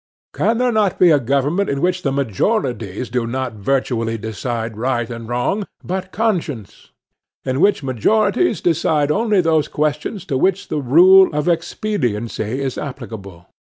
Can there not be a government in which the majorities do not virtually decide right and wrong, but conscience?—in which majorities decide only those questions to which the rule of expediency is applicable?